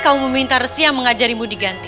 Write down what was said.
kamu meminta nersi yang mengajarimu diganti